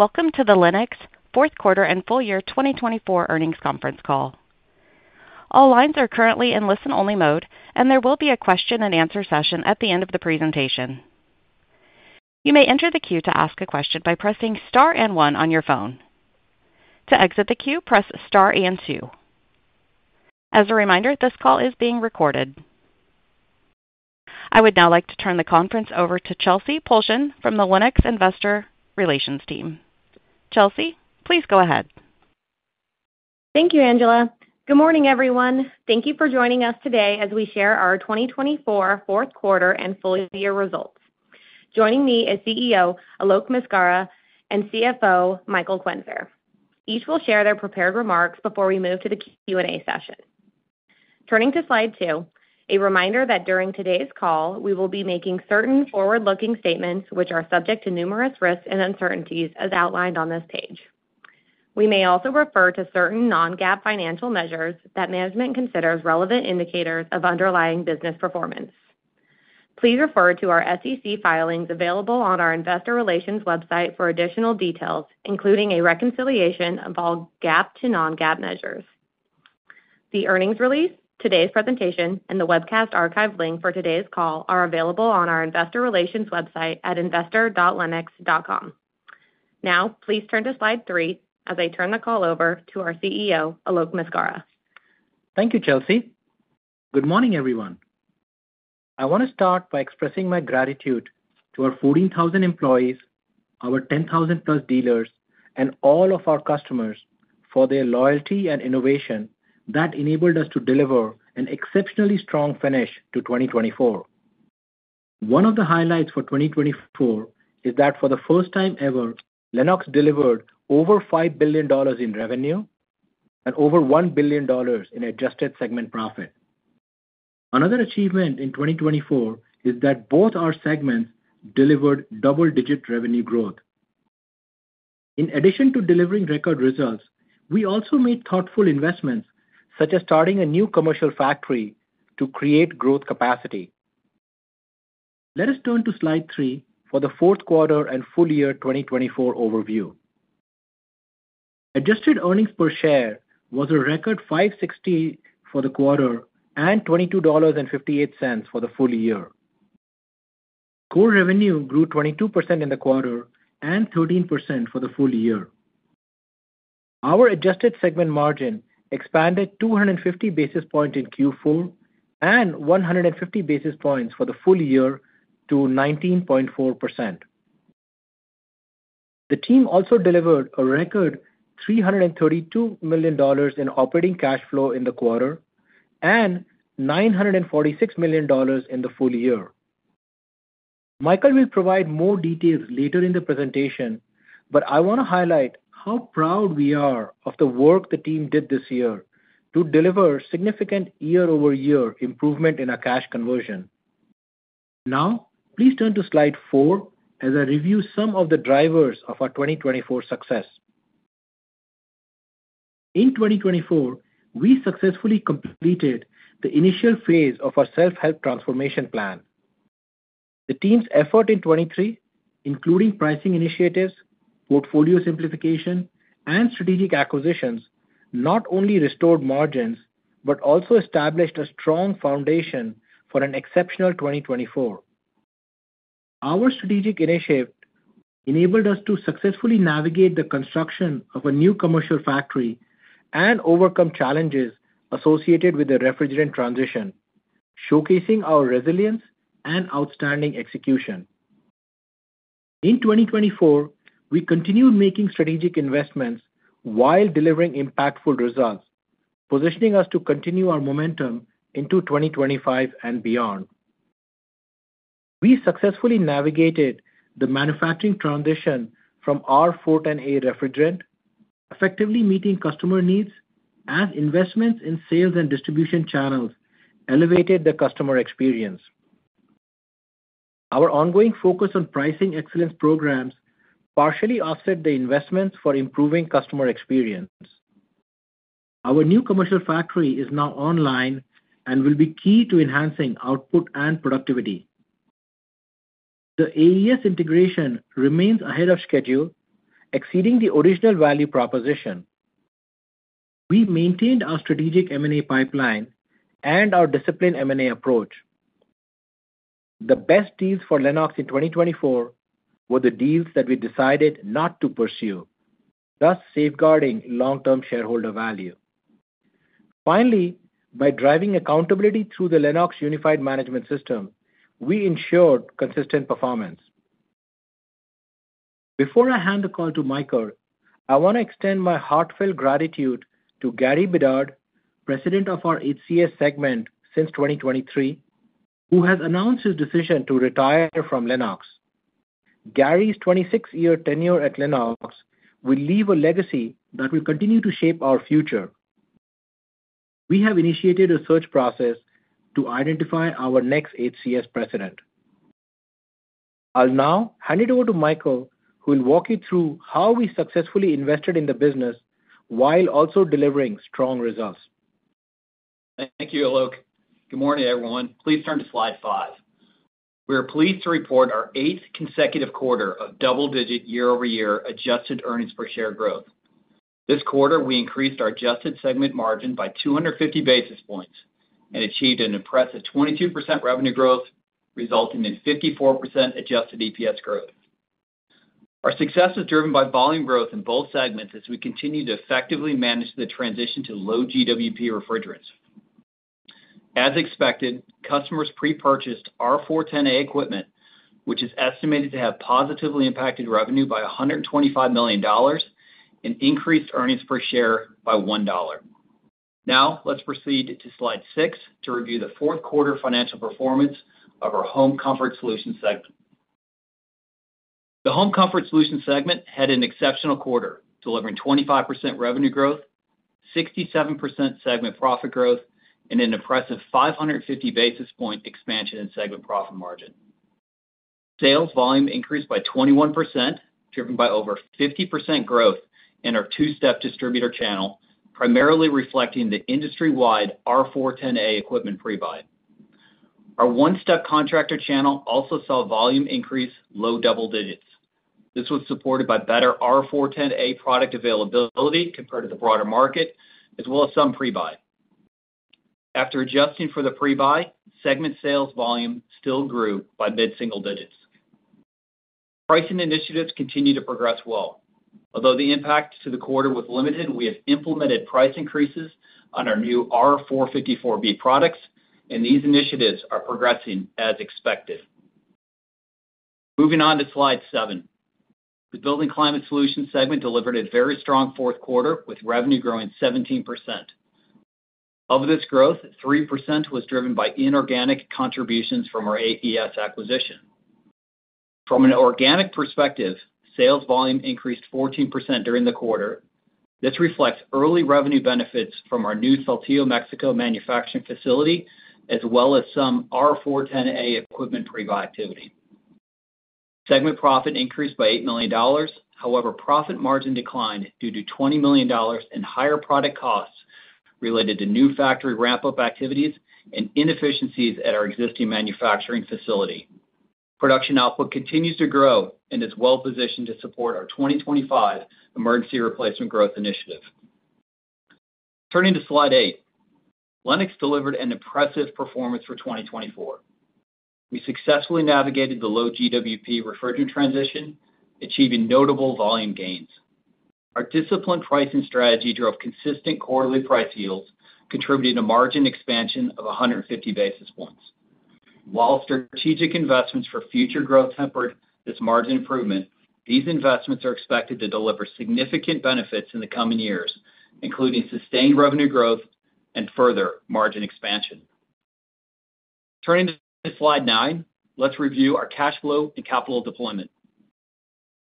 Welcome to the Lennox Fourth Quarter and Full Year 2024 Earnings Conference Call. All lines are currently in listen-only mode, and there will be a question-and-answer session at the end of the presentation. You may enter the queue to ask a question by pressing star and one on your phone. To exit the queue, press star and two. As a reminder, this call is being recorded. I would now like to turn the conference over to Chelsey Pulcheon from the Lennox Investor Relations Team. Chelsey, please go ahead. Thank you, Angela. Good morning, everyone. Thank you for joining us today as we share our 2024 Fourth Quarter and Full Year results. Joining me is CEO Alok Maskara and CFO Michael Quenzer. Each will share their prepared remarks before we move to the Q&A session. Turning to slide two, a reminder that during today's call, we will be making certain forward-looking statements which are subject to numerous risks and uncertainties as outlined on this page. We may also refer to certain non-GAAP financial measures that management considers relevant indicators of underlying business performance. Please refer to our SEC filings available on our Investor Relations website for additional details, including a reconciliation of all GAAP to non-GAAP measures. The earnings release, today's presentation, and the webcast archive link for today's call are available on our Investor Relations website at investor.lennox.com. Now, please turn to slide three as I turn the call over to our CEO, Alok Maskara. Thank you, Chelsey. Good morning, everyone. I want to start by expressing my gratitude to our 14,000 employees, our 10,000+ dealers, and all of our customers for their loyalty and innovation that enabled us to deliver an exceptionally strong finish to 2024. One of the highlights for 2024 is that for the first time ever, Lennox delivered over $5 billion in revenue and over $1 billion in adjusted segment profit. Another achievement in 2024 is that both our segments delivered double-digit revenue growth. In addition to delivering record results, we also made thoughtful investments such as starting a new commercial factory to create growth capacity. Let us turn to slide three for the fourth quarter and full year 2024 overview. Adjusted earnings per share was a record $5.60 for the quarter and $22.58 for the full year. Core revenue grew 22% in the quarter and 13% for the full year. Our adjusted segment margin expanded 250 basis points in Q4 and 150 basis points for the full year to 19.4%. The team also delivered a record $332 million in operating cash flow in the quarter and $946 million in the full year. Michael will provide more details later in the presentation, but I want to highlight how proud we are of the work the team did this year to deliver significant year-over-year improvement in our cash conversion. Now, please turn to slide four as I review some of the drivers of our 2024 success. In 2024, we successfully completed the initial phase of our self-help transformation plan. The team's effort in 2023, including pricing initiatives, portfolio simplification, and strategic acquisitions, not only restored margins but also established a strong foundation for an exceptional 2024. Our strategic initiative enabled us to successfully navigate the construction of a new commercial factory and overcome challenges associated with the refrigerant transition, showcasing our resilience and outstanding execution. In 2024, we continued making strategic investments while delivering impactful results, positioning us to continue our momentum into 2025 and beyond. We successfully navigated the manufacturing transition from our R-410A refrigerant, effectively meeting customer needs as investments in sales and distribution channels elevated the customer experience. Our ongoing focus on pricing excellence programs partially offset the investments for improving customer experience. Our new commercial factory is now online and will be key to enhancing output and productivity. The AES integration remains ahead of schedule, exceeding the original value proposition. We maintained our strategic M&A pipeline and our disciplined M&A approach. The best deals for Lennox in 2024 were the deals that we decided not to pursue, thus safeguarding long-term shareholder value. Finally, by driving accountability through the Lennox Unified Management System, we ensured consistent performance. Before I hand the call to Michael, I want to extend my heartfelt gratitude to Gary Bedard, President of our HCS segment since 2023, who has announced his decision to retire from Lennox. Gary's 26-year tenure at Lennox will leave a legacy that will continue to shape our future. We have initiated a search process to identify our next HCS president. I'll now hand it over to Michael, who will walk you through how we successfully invested in the business while also delivering strong results. Thank you, Alok. Good morning, everyone. Please turn to slide five. We are pleased to report our eighth consecutive quarter of double-digit year-over-year adjusted earnings per share growth. This quarter, we increased our adjusted segment margin by 250 basis points and achieved an impressive 22% revenue growth, resulting in 54% adjusted EPS growth. Our success is driven by volume growth in both segments as we continue to effectively manage the transition to low GWP refrigerants. As expected, customers pre-purchased our R-410A equipment, which is estimated to have positively impacted revenue by $125 million and increased earnings per share by $1. Now, let's proceed to slide six to review the fourth quarter financial performance of our Home Comfort Solutions segment. The Home Comfort Solutions segment had an exceptional quarter, delivering 25% revenue growth, 67% segment profit growth, and an impressive 550 basis point expansion in segment profit margin. Sales volume increased by 21%, driven by over 50% growth in our two-step distributor channel, primarily reflecting the industry-wide R-410A equipment pre-buy. Our one-step contractor channel also saw volume increase, low double digits. This was supported by better R-410A product availability compared to the broader market, as well as some pre-buy. After adjusting for the pre-buy, segment sales volume still grew by mid-single digits. Pricing initiatives continue to progress well. Although the impact to the quarter was limited, we have implemented price increases on our new R-454B products, and these initiatives are progressing as expected. Moving on to slide seven, the Building Climate Solutions segment delivered a very strong fourth quarter with revenue growing 17%. Of this growth, 3% was driven by inorganic contributions from our AES acquisition. From an organic perspective, sales volume increased 14% during the quarter. This reflects early revenue benefits from our new Saltillo, Mexico manufacturing facility, as well as some R-410A equipment pre-buy activity. Segment profit increased by $8 million. However, profit margin declined due to $20 million and higher product costs related to new factory ramp-up activities and inefficiencies at our existing manufacturing facility. Production output continues to grow and is well-positioned to support our 2025 emergency replacement growth initiative. Turning to slide eight, Lennox delivered an impressive performance for 2024. We successfully navigated the low GWP refrigerant transition, achieving notable volume gains. Our disciplined pricing strategy drove consistent quarterly price yields, contributing to margin expansion of 150 basis points. While strategic investments for future growth tempered this margin improvement, these investments are expected to deliver significant benefits in the coming years, including sustained revenue growth and further margin expansion. Turning to slide nine, let's review our cash flow and capital deployment.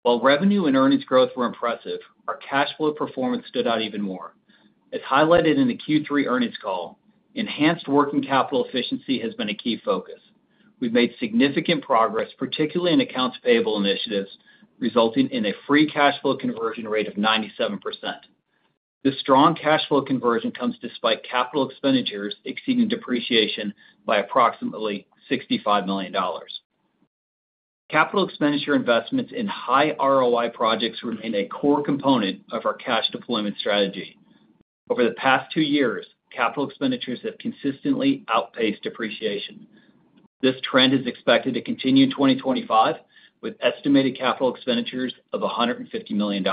While revenue and earnings growth were impressive, our cash flow performance stood out even more. As highlighted in the Q3 earnings call, enhanced working capital efficiency has been a key focus. We've made significant progress, particularly in accounts payable initiatives, resulting in a free cash flow conversion rate of 97%. This strong cash flow conversion comes despite capital expenditures exceeding depreciation by approximately $65 million. Capital expenditure investments in high ROI projects remain a core component of our cash deployment strategy. Over the past two years, capital expenditures have consistently outpaced depreciation. This trend is expected to continue in 2025, with estimated capital expenditures of $150 million.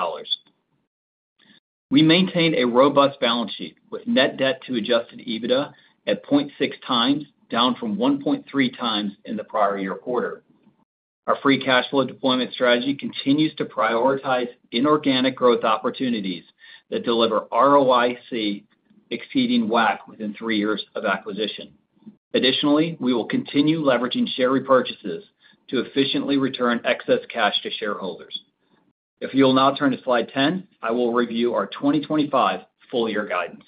We maintain a robust balance sheet with net debt to adjusted EBITDA at 0.6x, down from 1.3x in the prior year quarter. Our free cash flow deployment strategy continues to prioritize inorganic growth opportunities that deliver ROIC exceeding WACC within three years of acquisition. Additionally, we will continue leveraging share repurchases to efficiently return excess cash to shareholders. If you'll now turn to slide 10, I will review our 2025 full year guidance.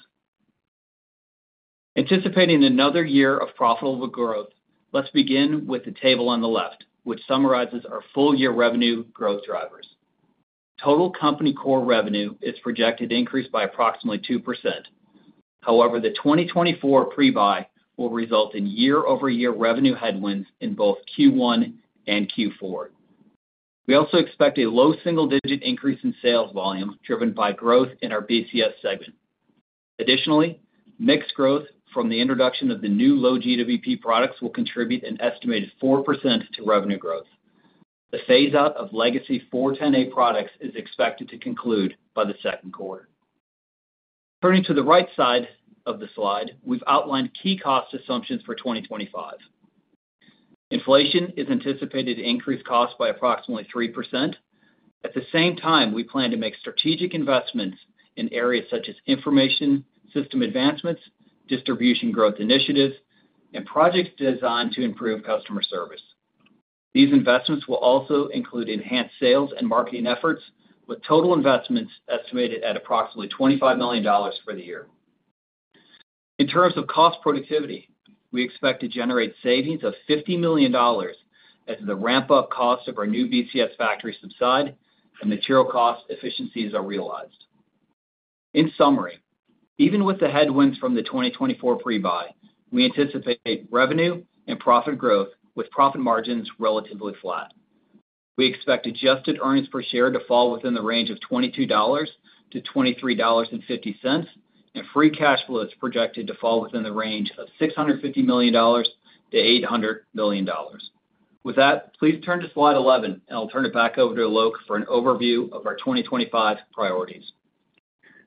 Anticipating another year of profitable growth, let's begin with the table on the left, which summarizes our full year revenue growth drivers. Total company core revenue is projected to increase by approximately 2%. However, the 2024 pre-buy will result in year-over-year revenue headwinds in both Q1 and Q4. We also expect a low single-digit increase in sales volume driven by growth in our BCS segment. Additionally, mixed growth from the introduction of the new low GWP products will contribute an estimated 4% to revenue growth. The phase-out of legacy R-410A products is expected to conclude by the second quarter. Turning to the right side of the slide, we've outlined key cost assumptions for 2025. Inflation is anticipated to increase costs by approximately 3%. At the same time, we plan to make strategic investments in areas such as information system advancements, distribution growth initiatives, and projects designed to improve customer service. These investments will also include enhanced sales and marketing efforts, with total investments estimated at approximately $25 million for the year. In terms of cost productivity, we expect to generate savings of $50 million as the ramp-up cost of our new BCS factory subsides and material cost efficiencies are realized. In summary, even with the headwinds from the 2024 pre-buy, we anticipate revenue and profit growth with profit margins relatively flat. We expect adjusted earnings per share to fall within the range of $22-$23.50, and free cash flow is projected to fall within the range of $650 million-$800 million. With that, please turn to slide 11, and I'll turn it back over to Alok for an overview of our 2025 priorities.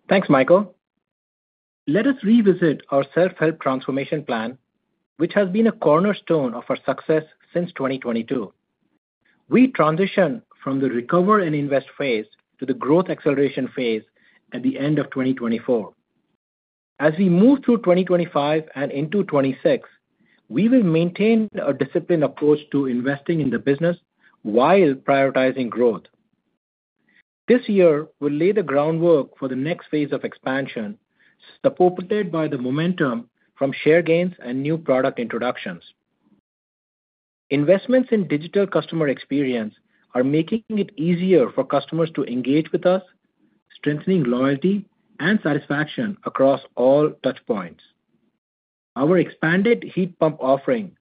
Thanks, Michael. Let us revisit our self-help transformation plan, which has been a cornerstone of our success since 2022. We transitioned from the recover and invest phase to the growth acceleration phase at the end of 2024. As we move through 2025 and into 2026, we will maintain a disciplined approach to investing in the business while prioritizing growth. This year will lay the groundwork for the next phase of expansion supported by the momentum from share gains and new product introductions. Investments in digital customer experience are making it easier for customers to engage with us, strengthening loyalty and satisfaction across all touchpoints. Our expanded heat pump offering,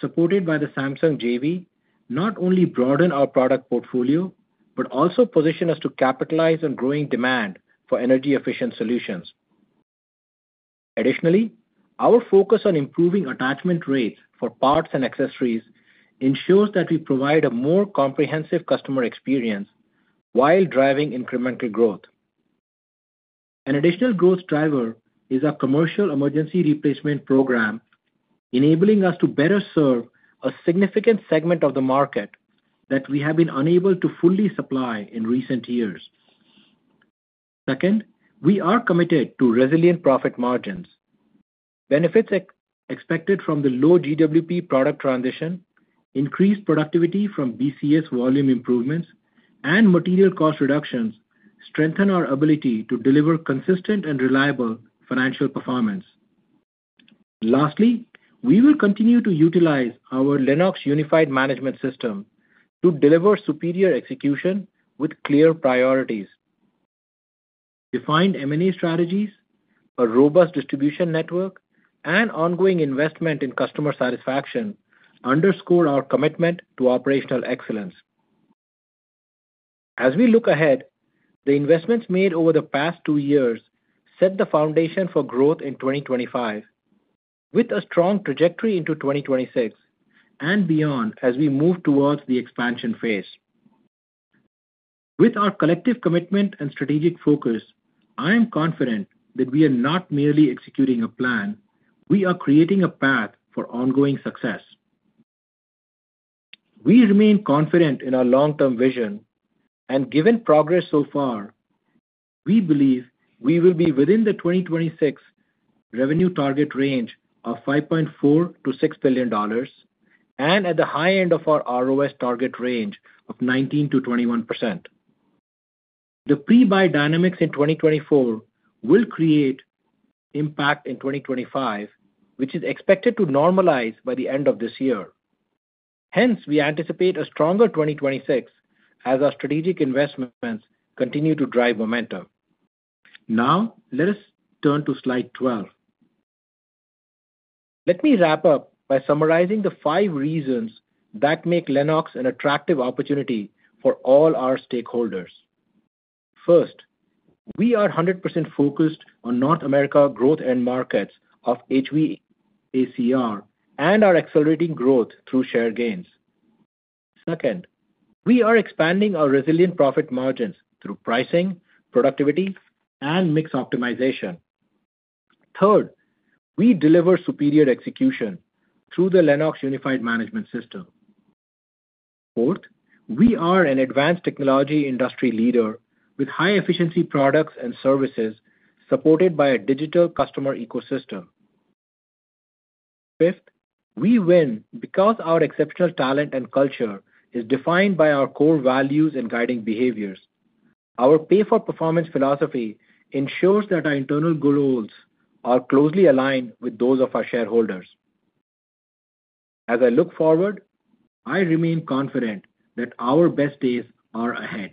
supported by the Samsung JV, not only broadens our product portfolio but also positions us to capitalize on growing demand for energy-efficient solutions. Additionally, our focus on improving attachment rates for parts and accessories ensures that we provide a more comprehensive customer experience while driving incremental growth. An additional growth driver is our commercial emergency replacement program, enabling us to better serve a significant segment of the market that we have been unable to fully supply in recent years. Second, we are committed to resilient profit margins. Benefits expected from the low GWP product transition, increased productivity from BCS volume improvements, and material cost reductions strengthen our ability to deliver consistent and reliable financial performance. Lastly, we will continue to utilize our Lennox Unified Management System to deliver superior execution with clear priorities. Defined M&A strategies, a robust distribution network, and ongoing investment in customer satisfaction underscore our commitment to operational excellence. As we look ahead, the investments made over the past two years set the foundation for growth in 2025, with a strong trajectory into 2026 and beyond as we move towards the expansion phase. With our collective commitment and strategic focus, I am confident that we are not merely executing a plan. We are creating a path for ongoing success. We remain confident in our long-term vision, and given progress so far, we believe we will be within the 2026 revenue target range of $5.4 billion -$6 billion and at the high end of our ROS target range of 19%-21%. The pre-buy dynamics in 2024 will create impact in 2025, which is expected to normalize by the end of this year. Hence, we anticipate a stronger 2026 as our strategic investments continue to drive momentum. Now, let us turn to slide 12. Let me wrap up by summarizing the five reasons that make Lennox an attractive opportunity for all our stakeholders. First, we are 100% focused on North America growth and markets of HVACR and our accelerating growth through share gains. Second, we are expanding our resilient profit margins through pricing, productivity, and mixed optimization. Third, we deliver superior execution through the Lennox Unified Management System. Fourth, we are an advanced technology industry leader with high-efficiency products and services supported by a digital customer ecosystem. Fifth, we win because our exceptional talent and culture is defined by our core values and guiding behaviors. Our pay-for-performance philosophy ensures that our internal goals are closely aligned with those of our shareholders. As I look forward, I remain confident that our best days are ahead.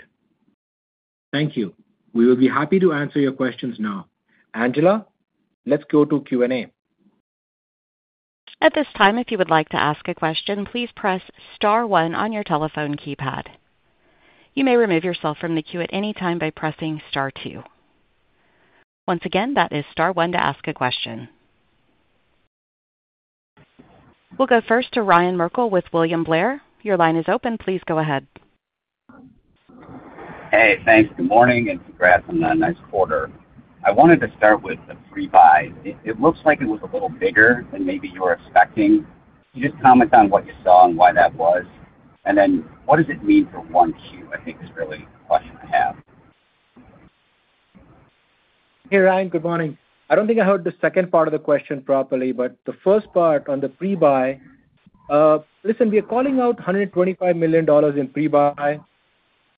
Thank you. We will be happy to answer your questions now. Angela, let's go to Q&A. At this time, if you would like to ask a question, please press star one on your telephone keypad. You may remove yourself from the queue at any time by pressing star two. Once again, that is star one to ask a question. We'll go first to Ryan Merkel with William Blair. Your line is open. Please go ahead. Hey, thanks. Good morning and congrats on a nice quarter. I wanted to start with the pre-buy. It looks like it was a little bigger than maybe you were expecting. Can you just comment on what you saw and why that was? And then what does it mean for one Q? I think is really the question I have. Hey, Ryan. Good morning. I don't think I heard the second part of the question properly, but the first part on the pre-buy. Listen, we are calling out $125 million in pre-buy.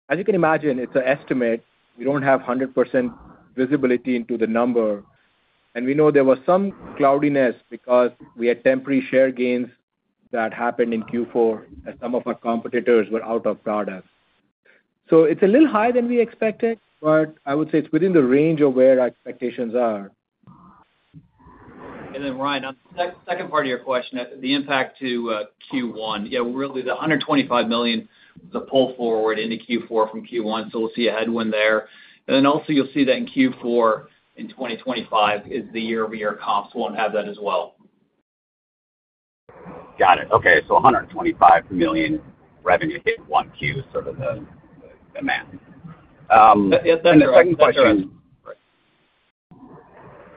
As you can imagine, it's an estimate. We don't have 100% visibility into the number. And we know there was some cloudiness because we had temporary share gains that happened in Q4 as some of our competitors were out of product. So it's a little higher than we expected, but I would say it's within the range of where our expectations are. And then, Ryan, on the second part of your question, the impact to Q1, yeah, really the $125 million was a pull forward into Q4 from Q1, so we'll see a headwind there. And then also you'll see that in Q4 in 2025, the year-over-year comps won't have that as well. Got it. Okay. So $125 million revenue hit in Q1 is sort of the math. Yeah. Then the second question.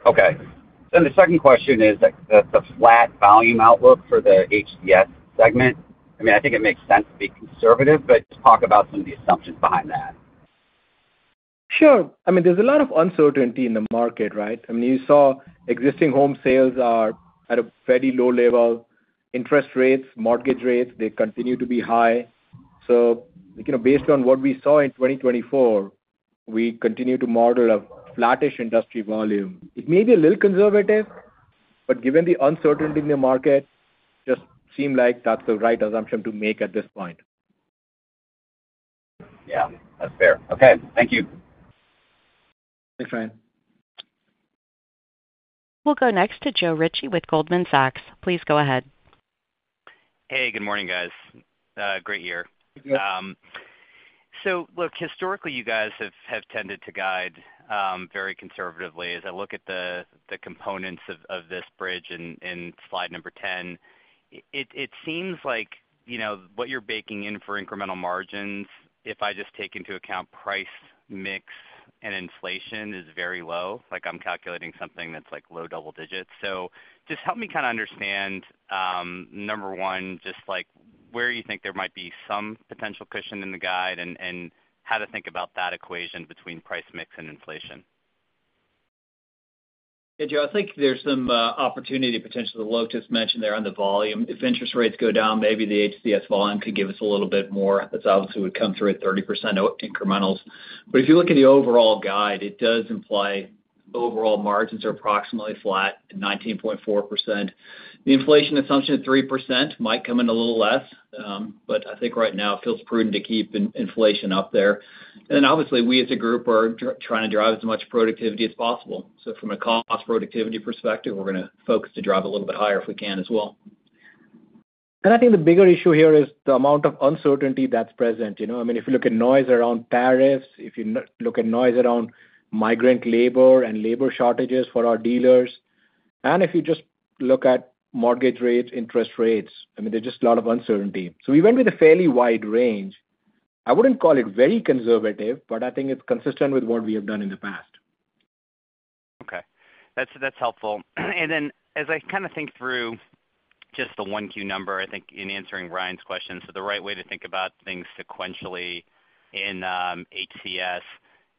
Okay. Then the second question is the flat volume outlook for the HCS segment. I mean, I think it makes sense to be conservative, but talk about some of the assumptions behind that. Sure. I mean, there's a lot of uncertainty in the market, right? I mean, you saw existing home sales are at a very low level. Interest rates, mortgage rates, they continue to be high. So based on what we saw in 2024, we continue to model a flattish industry volume. It may be a little conservative, but given the uncertainty in the market, it just seems like that's the right assumption to make at this point. Yeah. That's fair. Okay. Thank you. Thanks, Ryan. We'll go next to Joe Ritchie with Goldman Sachs. Please go ahead. Hey, good morning, guys. Great year. Hey, Joe. So, look, historically, you guys have tended to guide very conservatively. As I look at the components of this bridge in slide number 10, it seems like what you're baking in for incremental margins, if I just take into account price mix and inflation, is very low. I'm calculating something that's low double digits. So, just help me kind of understand, number one, just where you think there might be some potential cushion in the guide and how to think about that equation between price mix and inflation. Yeah, Joe, I think there's some opportunity potential. Alok just mentioned there on the volume. If interest rates go down, maybe the HCS volume could give us a little bit more. That obviously would come through at 30% incrementals. But if you look at the overall guide, it does imply overall margins are approximately flat at 19.4%. The inflation assumption at 3% might come in a little less, but I think right now it feels prudent to keep inflation up there. And then obviously, we as a group are trying to drive as much productivity as possible. So from a cost productivity perspective, we're going to focus to drive a little bit higher if we can as well. I think the bigger issue here is the amount of uncertainty that's present. I mean, if you look at noise around tariffs, if you look at noise around migrant labor and labor shortages for our dealers, and if you just look at mortgage rates, interest rates, I mean, there's just a lot of uncertainty. We went with a fairly wide range. I wouldn't call it very conservative, but I think it's consistent with what we have done in the past. Okay. That's helpful. And then as I kind of think through just the 1Q number, I think in answering Ryan's question, so the right way to think about things sequentially in HCS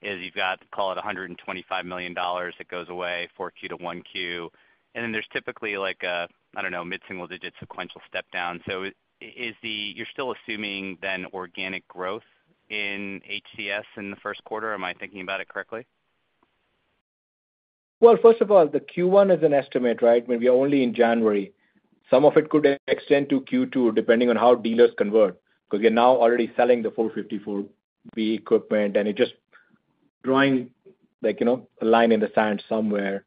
is you've got to call it $125 million that goes away 4Q to 1Q. And then there's typically like a, I don't know, mid-single digit sequential step down. So you're still assuming then organic growth in HCS in the first quarter. Am I thinking about it correctly? First of all, the Q1 is an estimate, right? We are only in January. Some of it could extend to Q2 depending on how dealers convert because they're now already selling the R-454B equipment, and it's just drawing a line in the sand somewhere.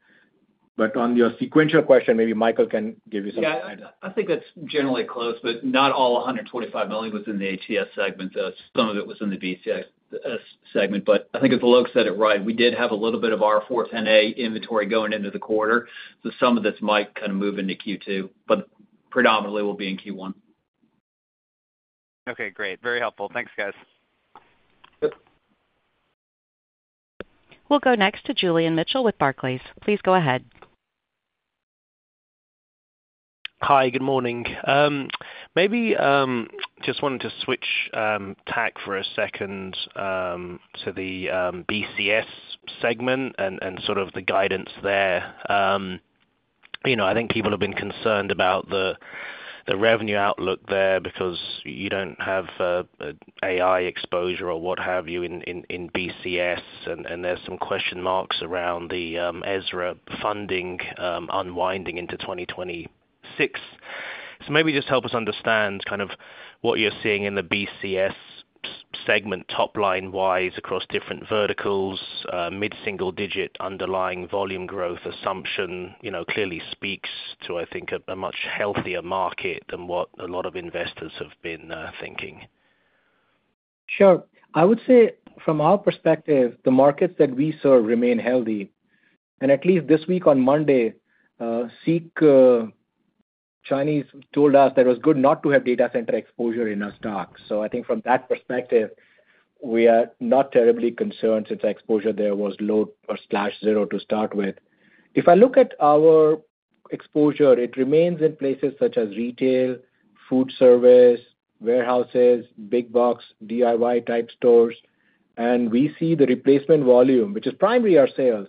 But on your sequential question, maybe Michael can give you some guidance. Yeah. I think that's generally close, but not all $125 million was in the HCS segment. Some of it was in the BCS segment. But I think as Alok said it right, we did have a little bit of our 410A inventory going into the quarter. So some of this might kind of move into Q2, but predominantly will be in Q1. Okay. Great. Very helpful. Thanks, guys. Yep. We'll go next to Julian Mitchell with Barclays. Please go ahead. Hi, good morning. Maybe just wanted to switch tack for a second to the BCS segment and sort of the guidance there. I think people have been concerned about the revenue outlook there because you don't have AI exposure or what have you in BCS, and there's some question marks around the IRA funding unwinding into 2026. So maybe just help us understand kind of what you're seeing in the BCS segment top-line-wise across different verticals. Mid-single-digit underlying volume growth assumption clearly speaks to, I think, a much healthier market than what a lot of investors have been thinking. Sure. I would say from our perspective, the markets that we saw remain healthy, and at least this week on Monday, DeepSeek Chinese told us that it was good not to have data center exposure in our stock, so I think from that perspective, we are not terribly concerned since our exposure there was low or zero to start with. If I look at our exposure, it remains in places such as retail, food service, warehouses, big box, DIY-type stores, and we see the replacement volume, which is primarily our sales,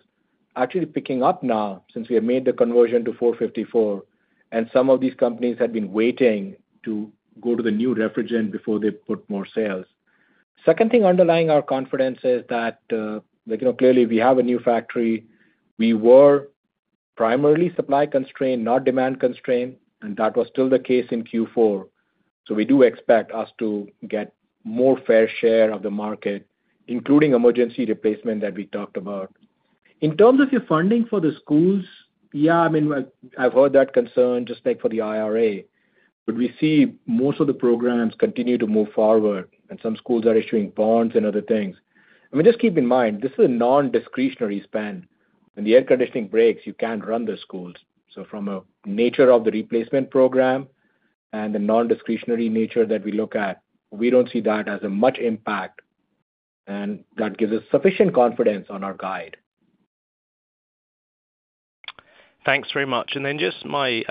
actually picking up now since we have made the conversion to 454, and some of these companies had been waiting to go to the new refrigerant before they put more sales. Second thing underlying our confidence is that clearly we have a new factory. We were primarily supply constrained, not demand constrained, and that was still the case in Q4. So we do expect us to get more fair share of the market, including emergency replacement that we talked about. In terms of your funding for the schools, yeah, I mean, I've heard that concern just for the IRA, but we see most of the programs continue to move forward, and some schools are issuing bonds and other things. I mean, just keep in mind, this is a non-discretionary spend. When the air conditioning breaks, you can't run the schools. So from the nature of the replacement program and the non-discretionary nature that we look at, we don't see that as much of an impact, and that gives us sufficient confidence on our guide. Thanks very much, and then just my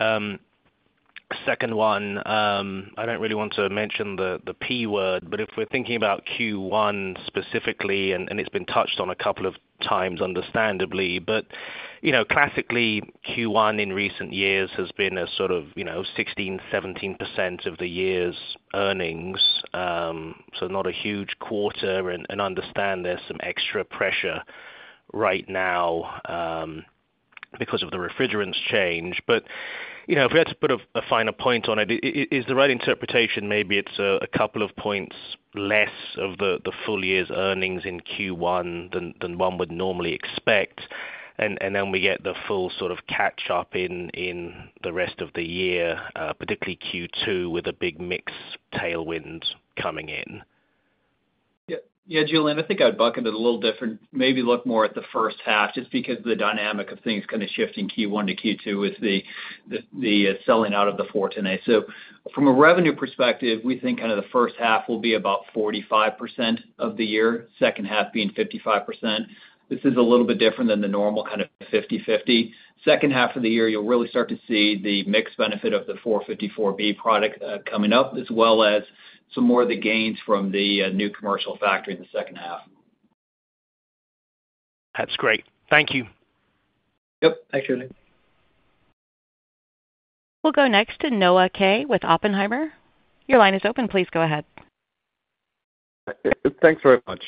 second one. I don't really want to mention the P word, but if we're thinking about Q1 specifically, and it's been touched on a couple of times, understandably, but classically, Q1 in recent years has been a sort of 16%-17% of the year's earnings. So not a huge quarter, and I understand there's some extra pressure right now because of the refrigerants change. But if we had to put a finer point on it, is the right interpretation maybe it's a couple of points less of the full year's earnings in Q1 than one would normally expect, and then we get the full sort of catch-up in the rest of the year, particularly Q2 with a big mix tailwind coming in? Yeah. Yeah, Julian, I think I'd bucket it a little different. Maybe look more at the first half just because of the dynamic of things kind of shifting Q1 to Q2 with the selling out of the R-410A. So from a revenue perspective, we think kind of the first half will be about 45% of the year, second half being 55%. This is a little bit different than the normal kind of 50/50. Second half of the year, you'll really start to see the mix benefit of the R-454B product coming up as well as some more of the gains from the new commercial factory in the second half. That's great. Thank you. Yep. Thanks, Julian. We'll go next to Noah Kaye with Oppenheimer. Your line is open. Please go ahead. Thanks very much.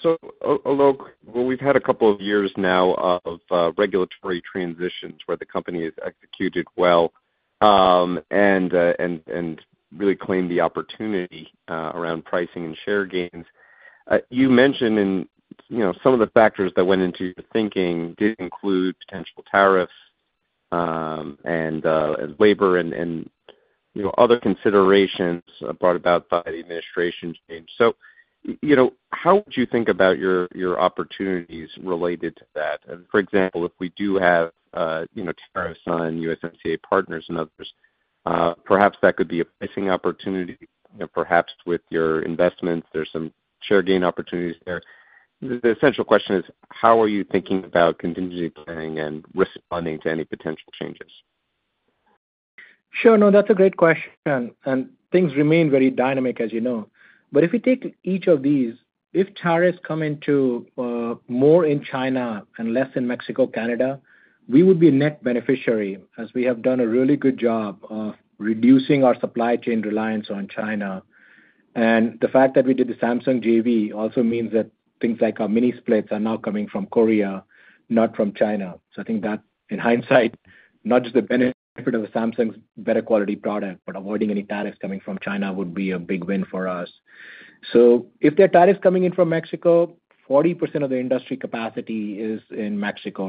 So Alok, well, we've had a couple of years now of regulatory transitions where the company has executed well and really claimed the opportunity around pricing and share gains. You mentioned some of the factors that went into your thinking did include potential tariffs and labor and other considerations brought about by the administration change. So how would you think about your opportunities related to that? For example, if we do have tariffs on USMCA partners and others, perhaps that could be a pricing opportunity. Perhaps with your investments, there's some share gain opportunities there. The essential question is, how are you thinking about contingency planning and responding to any potential changes? Sure. No, that's a great question. And things remain very dynamic, as you know. But if we take each of these, if tariffs come into more in China and less in Mexico, Canada, we would be a net beneficiary as we have done a really good job of reducing our supply chain reliance on China. And the fact that we did the Samsung JV also means that things like our mini splits are now coming from Korea, not from China. So I think that in hindsight, not just the benefit of Samsung's better quality product, but avoiding any tariffs coming from China would be a big win for us. So if there are tariffs coming in from Mexico, 40% of the industry capacity is in Mexico,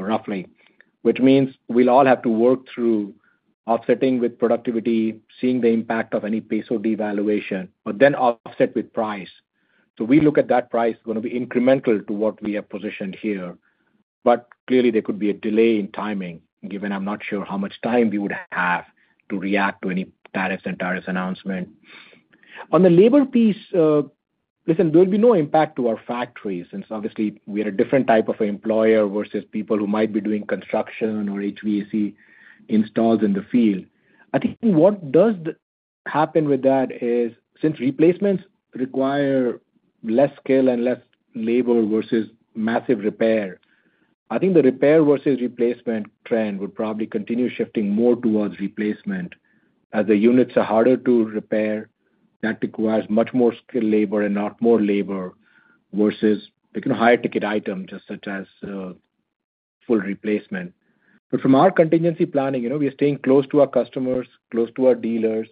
roughly, which means we'll all have to work through offsetting with productivity, seeing the impact of any peso devaluation, but then offset with price. So we look at that price going to be incremental to what we have positioned here. But clearly, there could be a delay in timing given I'm not sure how much time we would have to react to any tariffs and tariffs announcement. On the labor piece, listen, there will be no impact to our factories since obviously we are a different type of employer versus people who might be doing construction or HVAC installs in the field. I think what does happen with that is since replacements require less skill and less labor versus massive repair, I think the repair versus replacement trend would probably continue shifting more towards replacement as the units are harder to repair. That requires much more skilled labor and not more labor versus higher ticket items such as full replacement. But from our contingency planning, we are staying close to our customers, close to our dealers,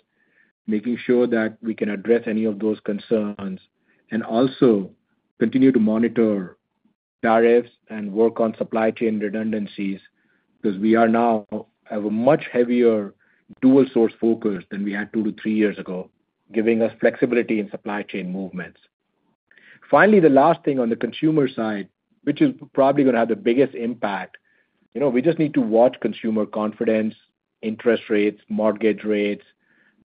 making sure that we can address any of those concerns and also continue to monitor tariffs and work on supply chain redundancies because we now have a much heavier dual-source focus than we had two to three years ago, giving us flexibility in supply chain movements. Finally, the last thing on the consumer side, which is probably going to have the biggest impact, we just need to watch consumer confidence, interest rates, mortgage rates,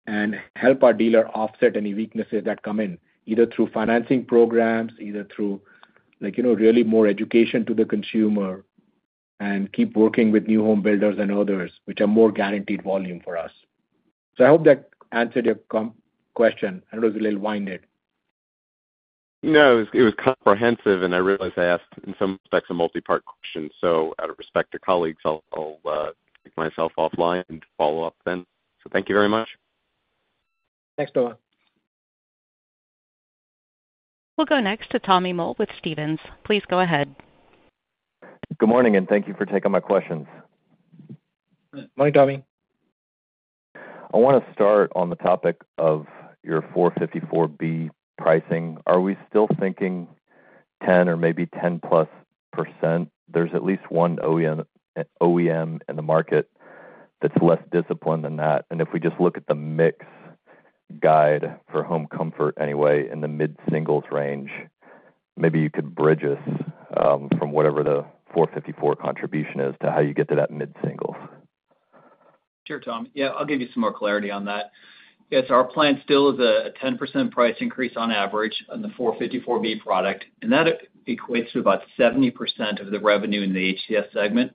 and help our dealer offset any weaknesses that come in either through financing programs, either through really more education to the consumer, and keep working with new home builders and others, which are more guaranteed volume for us. So I hope that answered your question. I know it was a little winded. No, it was comprehensive, and I realize I asked in some respects a multi-part question. So out of respect to colleagues, I'll take myself offline and follow up then. So thank you very much. Thanks, Noah. We'll go next to Tommy Moll with Stephens. Please go ahead. Good morning, and thank you for taking my questions. Morning, Tommy. I want to start on the topic of your 454B pricing. Are we still thinking 10% or maybe 10%+? There's at least one OEM in the market that's less disciplined than that. And if we just look at the mix guide for home comfort anyway in the mid-singles range, maybe you could bridge us from whatever the 454 contribution is to how you get to that mid-singles. Sure, Tommy. Yeah, I'll give you some more clarity on that. Yes, our plan still is a 10% price increase on average on the R-454B product, and that equates to about 70% of the revenue in the HCS segment.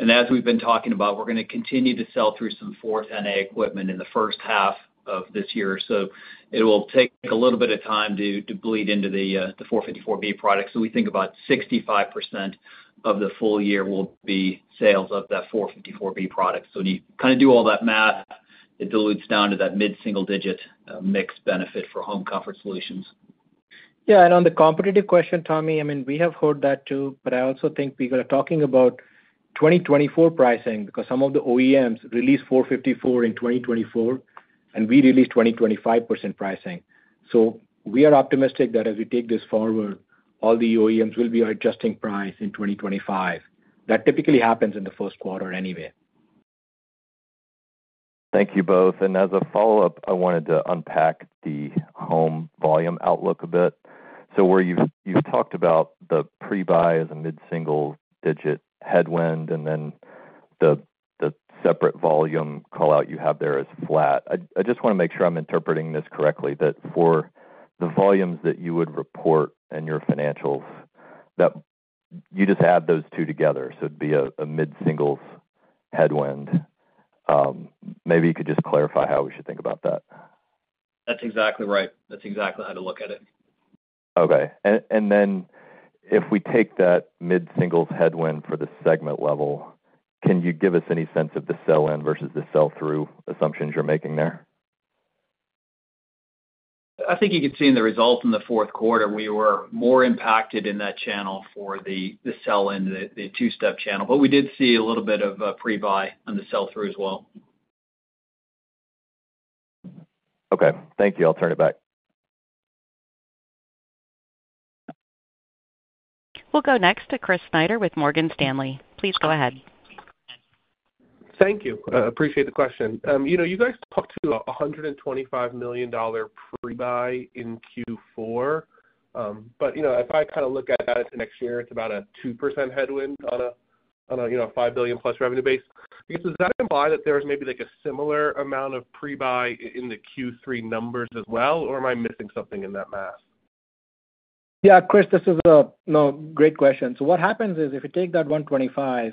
And as we've been talking about, we're going to continue to sell through some R-410A equipment in the first half of this year. So it will take a little bit of time to bleed into the R-454B product. So we think about 65% of the full year will be sales of that R-454B product. So when you kind of do all that math, it dilutes down to that mid-single digit mixed benefit for home comfort solutions. Yeah. And on the competitive question, Tommy, I mean, we have heard that too, but I also think we are talking about 2024 pricing because some of the OEMs released 454 in 2024, and we released 2025 pricing. So we are optimistic that as we take this forward, all the OEMs will be adjusting price in 2025. That typically happens in the first quarter anyway. Thank you both. As a follow-up, I wanted to unpack the home volume outlook a bit. So where you've talked about the pre-buy as a mid-single digit headwind and then the separate volume callout you have there as flat, I just want to make sure I'm interpreting this correctly, that for the volumes that you would report and your financials, that you just add those two together. So it'd be a mid-singles headwind. Maybe you could just clarify how we should think about that. That's exactly right. That's exactly how to look at it. Okay. And then if we take that mid-singles headwind for the segment level, can you give us any sense of the sell-in versus the sell-through assumptions you're making there? I think you could see in the results in the fourth quarter, we were more impacted in that channel for the sell-in, the two-step channel. But we did see a little bit of pre-buy on the sell-through as well. Okay. Thank you. I'll turn it back. We'll go next to Chris Snyder with Morgan Stanley. Please go ahead. Thank you. Appreciate the question. You guys talked to a $125 million pre-buy in Q4, but if I kind of look at it next year, it's about a 2% headwind on a $5 billion+ revenue base. Does that imply that there's maybe a similar amount of pre-buy in the Q3 numbers as well, or am I missing something in that math? Yeah, Chris, this is a great question. So what happens is if you take that $125 million,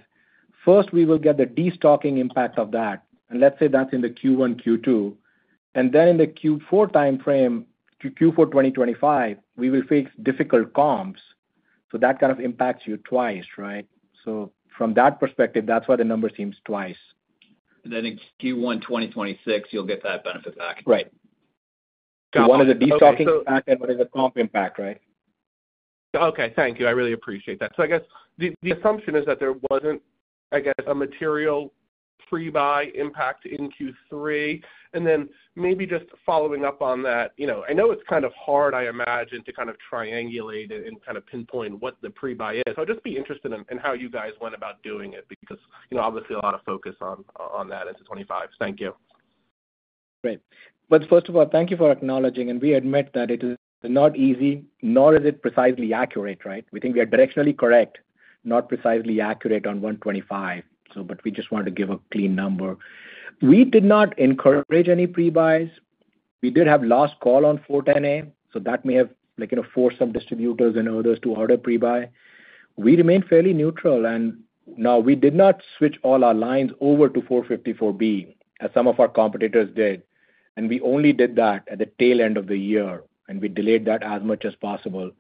first, we will get the destocking impact of that. And let's say that's in the Q1, Q2. And then in the Q4 timeframe, Q4 2025, we will face difficult comps. So that kind of impacts you twice, right? So from that perspective, that's why the number seems twice. And then in Q1 2026, you'll get that benefit back. Right. One is a destocking and one is a comp impact, right? Okay. Thank you. I really appreciate that. So I guess the assumption is that there wasn't, I guess, a material pre-buy impact in Q3. And then maybe just following up on that, I know it's kind of hard, I imagine, to kind of triangulate and kind of pinpoint what the pre-buy is. I'd just be interested in how you guys went about doing it because obviously a lot of focus on that into 2025. Thank you. Right. But first of all, thank you for acknowledging, and we admit that it is not easy, nor is it precisely accurate, right? We think we are directionally correct, not precisely accurate on $125 million, but we just wanted to give a clean number. We did not encourage any pre-buys. We did have last call on 410A, so that may have forced some distributors and others to order pre-buy. We remained fairly neutral, and now we did not switch all our lines over to 454B as some of our competitors did. And we only did that at the tail end of the year, and we delayed that as much as possible.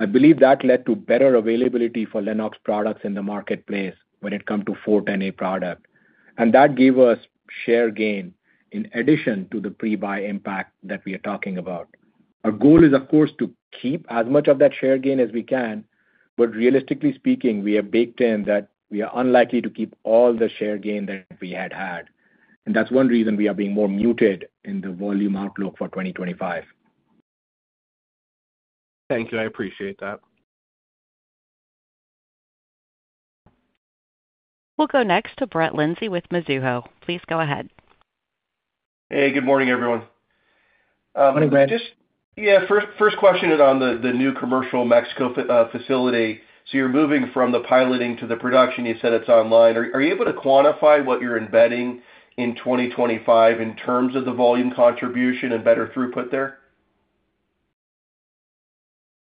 I believe that led to better availability for Lennox products in the marketplace when it comes to 410A product. And that gave us share gain in addition to the pre-buy impact that we are talking about. Our goal is, of course, to keep as much of that share gain as we can, but realistically speaking, we are baked in that we are unlikely to keep all the share gain that we had had, and that's one reason we are being more muted in the volume outlook for 2025. Thank you. I appreciate that. We'll go next to Brett Linzey with Mizuho. Please go ahead. Hey, good morning, everyone. Morning, Brett. Yeah. First question is on the new commercial Mexico facility. So you're moving from the piloting to the production. You said it's online. Are you able to quantify what you're embedding in 2025 in terms of the volume contribution and better throughput there?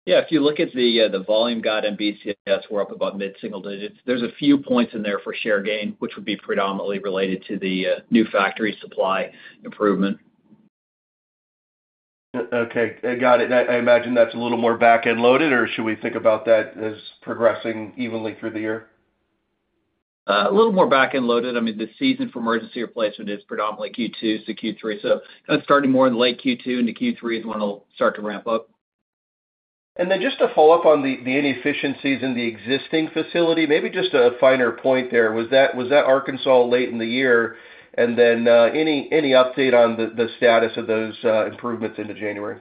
Yeah. If you look at the volume guide and BCS, we're up about mid-single digits. There's a few points in there for share gain, which would be predominantly related to the new factory supply improvement. Okay. Got it. I imagine that's a little more back-end loaded, or should we think about that as progressing evenly through the year? A little more back-end loaded. I mean, the season for emergency replacement is predominantly Q2, so Q3. So kind of starting more in late Q2 into Q3 is when it'll start to ramp up. And then just to follow up on the inefficiencies in the existing facility, maybe just a finer point there. Was that Arkansas late in the year? And then any update on the status of those improvements into January?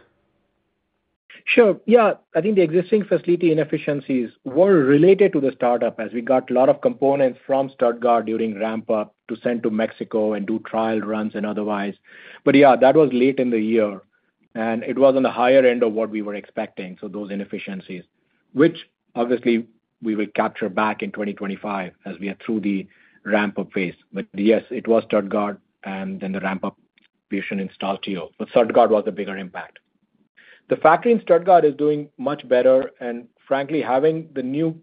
Sure. Yeah. I think the existing facility inefficiencies were related to the startup as we got a lot of components from Stuttgart during ramp-up to send to Mexico and do trial runs and otherwise. But yeah, that was late in the year, and it was on the higher end of what we were expecting, so those inefficiencies, which obviously we will capture back in 2025 as we are through the ramp-up phase. But yes, it was Stuttgart and then the ramp-up situation in Saltillo. But Stuttgart was the bigger impact. The factory in Stuttgart is doing much better. And frankly, having the new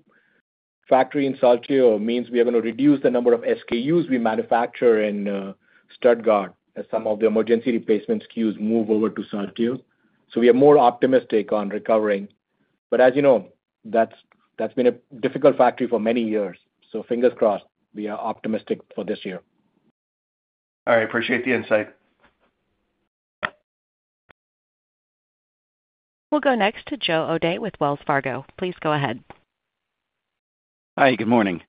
factory in Saltillo means we are going to reduce the number of SKUs we manufacture in Stuttgart as some of the emergency replacement SKUs move over to Saltillo. So we are more optimistic on recovering. But as you know, that's been a difficult factory for many years. So fingers crossed, we are optimistic for this year. All right. Appreciate the insight. We'll go next to Joe O'Dea with Wells Fargo. Please go ahead. Hi. Good morning.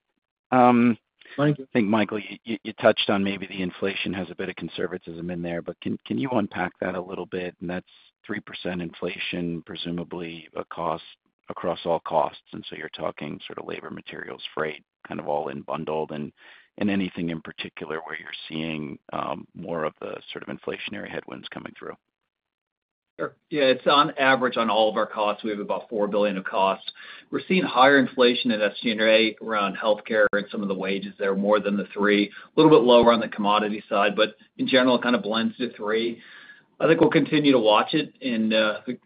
Thank you. I think, Michael, you touched on maybe the inflation has a bit of conservatism in there, but can you unpack that a little bit? And that's 3% inflation, presumably a cost across all costs. And so you're talking sort of labor, materials, freight, kind of all in bundled. And anything in particular where you're seeing more of the sort of inflationary headwinds coming through? Sure. Yeah. It's on average on all of our costs. We have about $4 billion of costs. We're seeing higher inflation in SG&A around healthcare and some of the wages there, more than the 3%. A little bit lower on the commodity side, but in general, it kind of blends to 3%. I think we'll continue to watch it, and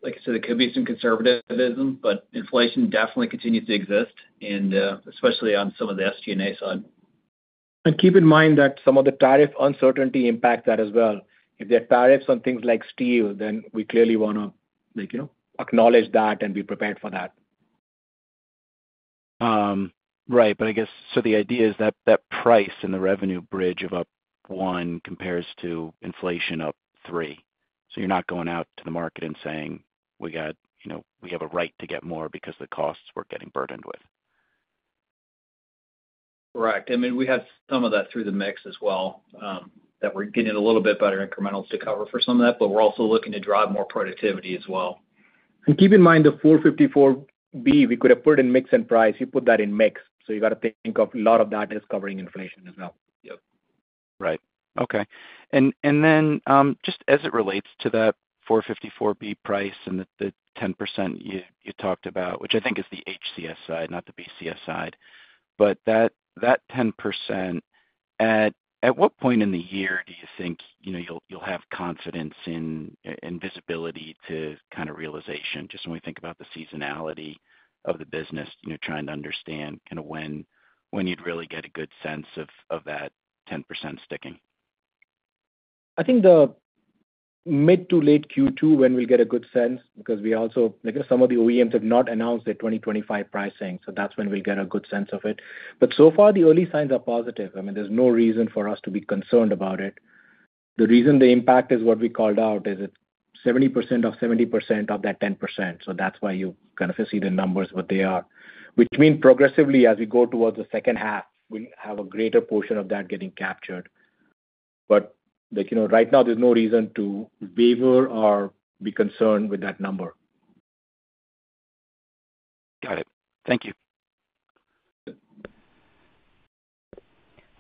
like I said, there could be some conservatism, but inflation definitely continues to exist, and especially on some of the SG&A side. Keep in mind that some of the tariff uncertainty impacts that as well. If there are tariffs on things like steel, then we clearly want to acknowledge that and be prepared for that. Right. But I guess, so the idea is that that price and the revenue bridge of up one compares to inflation up three. So you're not going out to the market and saying, we have a right to get more because the costs we're getting burdened with. Correct. I mean, we have some of that through the mix as well that we're getting a little bit better incrementals to cover for some of that, but we're also looking to drive more productivity as well. And keep in mind the 454B, we could have put it in mix and price. You put that in mix. So you got to think of a lot of that as covering inflation as well. Yeah. Right. Okay. And then just as it relates to that R-454B price and the 10% you talked about, which I think is the HCS side, not the BCS side, but that 10%, at what point in the year do you think you'll have confidence in visibility to kind of realization? Just when we think about the seasonality of the business, trying to understand kind of when you'd really get a good sense of that 10% sticking. I think the mid- to late Q2, when we'll get a good sense because some of the OEMs have not announced their 2025 pricing. So that's when we'll get a good sense of it. But so far, the early signs are positive. I mean, there's no reason for us to be concerned about it. The reason the impact is what we called out is it's 70% of 70% of that 10%. So that's why you kind of see the numbers what they are, which means progressively as we go towards the second half, we have a greater portion of that getting captured. But right now, there's no reason to waver or be concerned with that number. Got it. Thank you.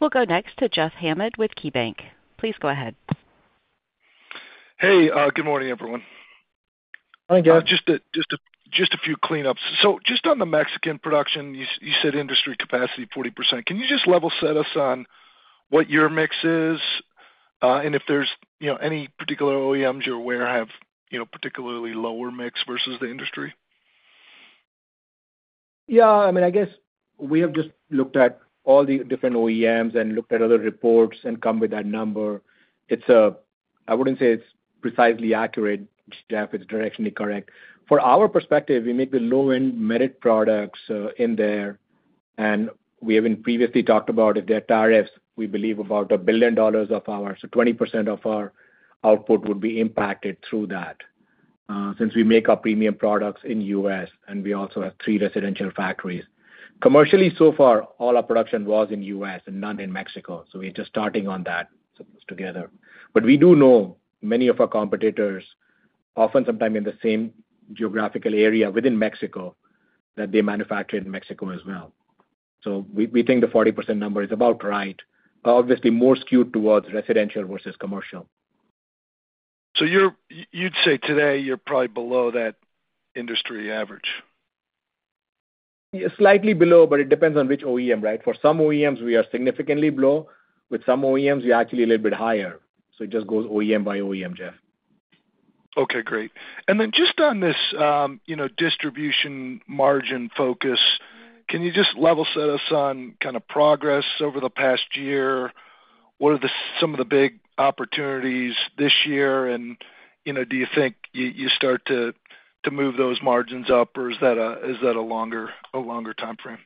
We'll go next to Jeff Hammond with KeyBank. Please go ahead. Hey. Good morning, everyone. Morning, Jeff. Just a few cleanups. So just on the Mexican production, you said industry capacity 40%. Can you just level set us on what your mix is and if there's any particular OEMs you're aware have particularly lower mix versus the industry? Yeah. I mean, I guess we have just looked at all the different OEMs and looked at other reports and come with that number. I wouldn't say it's precisely accurate, Jeff. It's directionally correct. From our perspective, we make the low-end Merit products in there. And we haven't previously talked about if there are tariffs. We believe about $1 billion of our, so 20% of our output would be impacted through that since we make our premium products in the U.S., and we also have three residential factories. Commercially, so far, all our production was in the U.S. and none in Mexico. So we're just starting on that together. But we do know many of our competitors often sometime in the same geographical area within Mexico that they manufacture in Mexico as well. So we think the 40% number is about right, obviously more skewed towards residential versus commercial. So you'd say today you're probably below that industry average? Slightly below, but it depends on which OEM, right? For some OEMs, we are significantly below. With some OEMs, we're actually a little bit higher. So it just goes OEM by OEM, Jeff. Okay. Great. And then just on this distribution margin focus, can you just level set us on kind of progress over the past year? What are some of the big opportunities this year? And do you think you start to move those margins up, or is that a longer timeframe?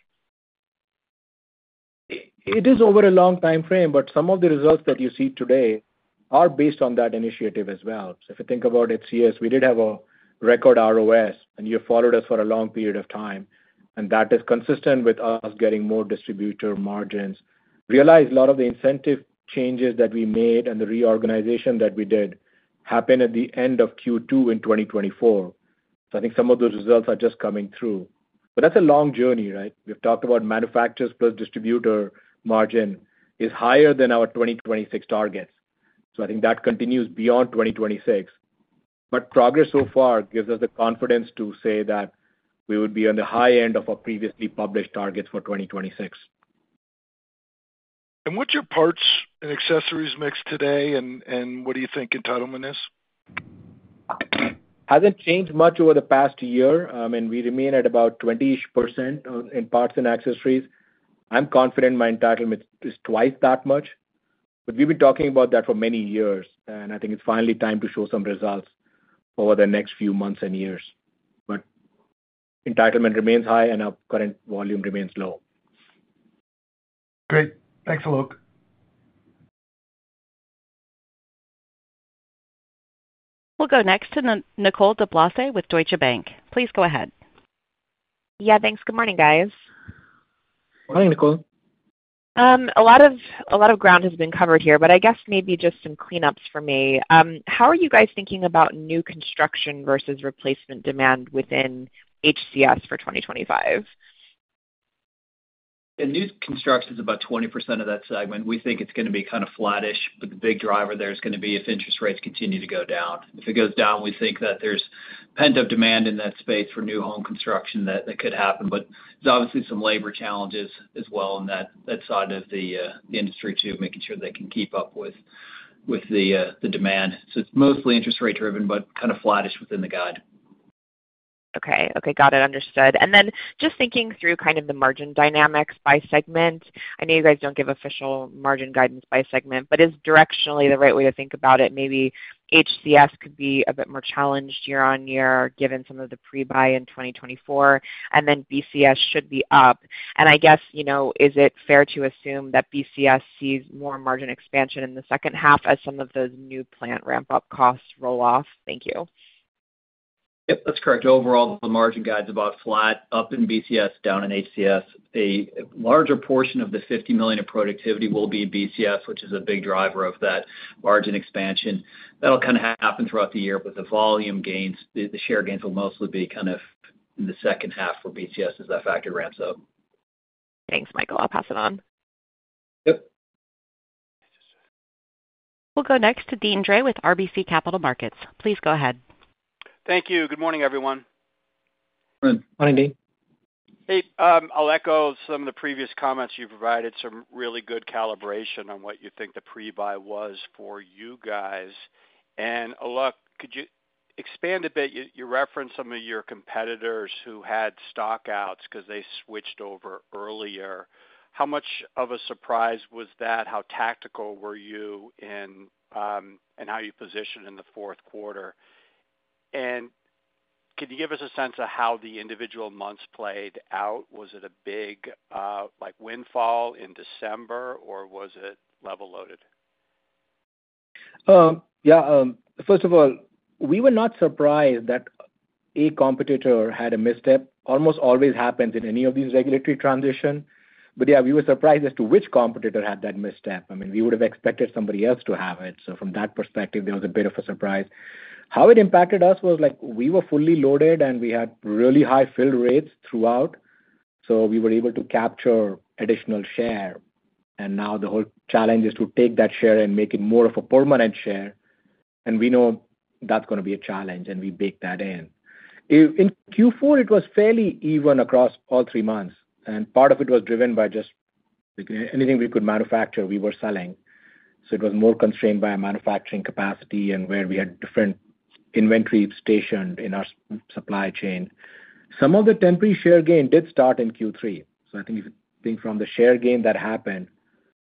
It is over a long timeframe, but some of the results that you see today are based on that initiative as well. So if you think about it, yes, we did have a record ROS, and you followed us for a long period of time. And that is consistent with us getting more distributor margins. Realize a lot of the incentive changes that we made and the reorganization that we did happen at the end of Q2 in 2024. So I think some of those results are just coming through. But that's a long journey, right? We've talked about manufacturers plus distributor margin is higher than our 2026 targets. So I think that continues beyond 2026. But progress so far gives us the confidence to say that we would be on the high end of our previously published targets for 2026. What's your parts and accessories mix today, and what do you think entitlement is? Hasn't changed much over the past year. I mean, we remain at about 20% in parts and accessories. I'm confident my entitlement is twice that much. But we've been talking about that for many years, and I think it's finally time to show some results over the next few months and years. But entitlement remains high, and our current volume remains low. Great. Thanks, Alok. We'll go next to Nicole DeBlase with Deutsche Bank. Please go ahead. Yeah. Thanks. Good morning, guys. Morning, Nicole. A lot of ground has been covered here, but I guess maybe just some cleanups for me. How are you guys thinking about new construction versus replacement demand within HCS for 2025? The new construction is about 20% of that segment. We think it's going to be kind of flattish, but the big driver there is going to be if interest rates continue to go down. If it goes down, we think that there's pent-up demand in that space for new home construction that could happen. But there's obviously some labor challenges as well on that side of the industry too, making sure they can keep up with the demand. So it's mostly interest rate driven, but kind of flattish within the guide. Okay. Okay. Got it. Understood. And then just thinking through kind of the margin dynamics by segment, I know you guys don't give official margin guidance by segment, but is directionally the right way to think about it? Maybe HCS could be a bit more challenged year on year given some of the pre-buy in 2024, and then BCS should be up. And I guess, is it fair to assume that BCS sees more margin expansion in the second half as some of those new plant ramp-up costs roll off? Thank you. Yep. That's correct. Overall, the margin guide's about flat up in BCS, down in HCS. A larger portion of the $50 million of productivity will be in BCS, which is a big driver of that margin expansion. That'll kind of happen throughout the year, but the volume gains, the share gains will mostly be kind of in the second half for BCS as that factor ramps up. Thanks, Michael. I'll pass it on. Yep. We'll go next to Deane Dray with RBC Capital Markets. Please go ahead. Thank you. Good morning, everyone. Morning. Morning, Deane. Hey. I'll echo some of the previous comments you provided, some really good calibration on what you think the pre-buy was for you guys. And Alok, could you expand a bit? You referenced some of your competitors who had stockouts because they switched over earlier. How much of a surprise was that? How tactical were you in how you positioned in the fourth quarter? And could you give us a sense of how the individual months played out? Was it a big windfall in December, or was it level loaded? Yeah. First of all, we were not surprised that a competitor had a misstep. Almost always happens in any of these regulatory transitions. But yeah, we were surprised as to which competitor had that misstep. I mean, we would have expected somebody else to have it. So from that perspective, there was a bit of a surprise. How it impacted us was we were fully loaded, and we had really high fill rates throughout. So we were able to capture additional share. And now the whole challenge is to take that share and make it more of a permanent share. And we know that's going to be a challenge, and we baked that in. In Q4, it was fairly even across all three months. And part of it was driven by just anything we could manufacture, we were selling. So it was more constrained by our manufacturing capacity and where we had different inventory stationed in our supply chain. Some of the temporary share gain did start in Q3. So I think if you think from the share gain that happened,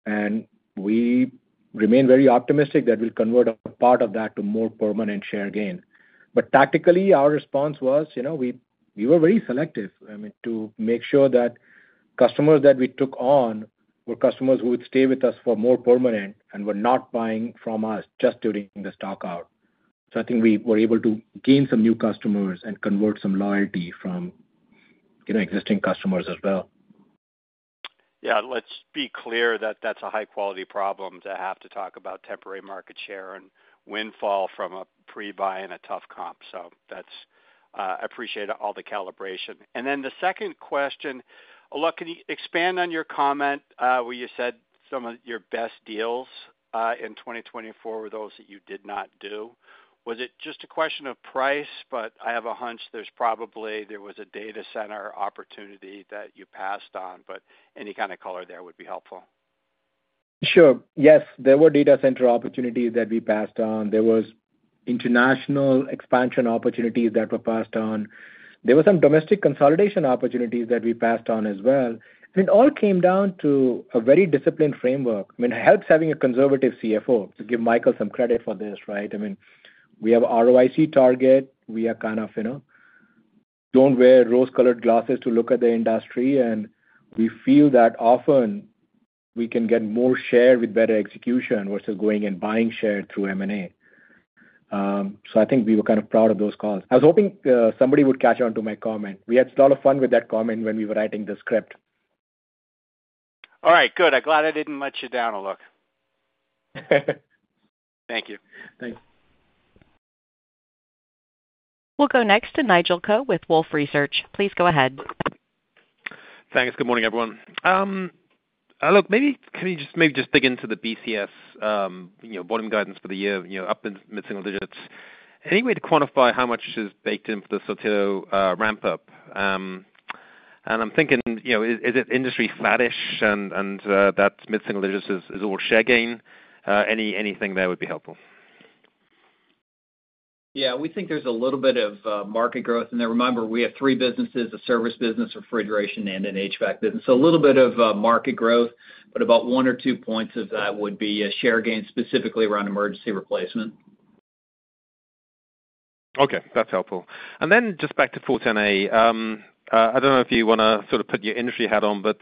and we remain very optimistic that we'll convert a part of that to more permanent share gain. But tactically, our response was we were very selective, I mean, to make sure that customers that we took on were customers who would stay with us for more permanent and were not buying from us just during the stockout. So I think we were able to gain some new customers and convert some loyalty from existing customers as well. Yeah. Let's be clear that that's a high-quality problem to have to talk about temporary market share and windfall from a pre-buy and a tough comp. So I appreciate all the calibration. And then the second question, Alok, can you expand on your comment where you said some of your best deals in 2024 were those that you did not do? Was it just a question of price? But I have a hunch there's probably a data center opportunity that you passed on, but any kind of color there would be helpful. Sure. Yes. There were data center opportunities that we passed on. There were international expansion opportunities that were passed on. There were some domestic consolidation opportunities that we passed on as well. I mean, it all came down to a very disciplined framework. I mean, it helps having a conservative CFO to give Michael some credit for this, right? I mean, we have ROIC target. We are kind of don't wear rose-colored glasses to look at the industry. And we feel that often we can get more share with better execution versus going and buying share through M&A. So I think we were kind of proud of those calls. I was hoping somebody would catch on to my comment. We had a lot of fun with that comment when we were writing the script. All right. Good. I'm glad I didn't let you down, Alok. Thank you. Thanks. We'll go next to Nigel Coe with Wolfe Research. Please go ahead. Thanks. Good morning, everyone. Alok, maybe can you just dig into the BCS bottom guidance for the year, up in mid-single digits, any way to quantify how much is baked into the Saltillo ramp-up? And I'm thinking, is it industry flattish and that mid-single digits is all share gain? Anything there would be helpful. Yeah. We think there's a little bit of market growth in there. Remember, we have three businesses: a service business, refrigeration, and an HVAC business. So a little bit of market growth, but about one or two points of that would be share gain specifically around emergency replacement. Okay. That's helpful. And then just back to R-410A. I don't know if you want to sort of put your industry hat on, but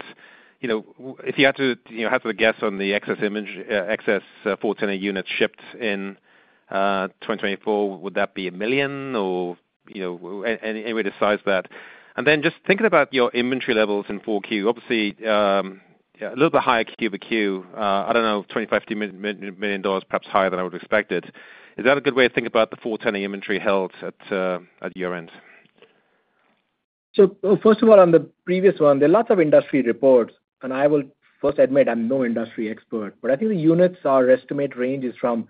if you had to have a guess on the excess R-410A units shipped in 2024, would that be a million or any way to size that? And then just thinking about your inventory levels in 4Q, obviously a little bit higher QoQ, I don't know, $25 million-$50 million, perhaps higher than I would have expected. Is that a good way to think about the R-410A inventory held at your end? First of all, on the previous one, there are lots of industry reports. I will first admit I'm no industry expert, but I think the unit estimates range from